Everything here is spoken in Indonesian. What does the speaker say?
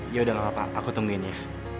ya udah gapapa aku tungguin ya